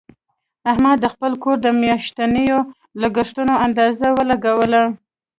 احمد د خپل کور د میاشتنیو لګښتونو اندازه ولګوله.